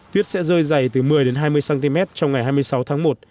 tuyết sẽ rơi dày từ một mươi đến hai mươi cm trong ngày hai mươi sáu tháng một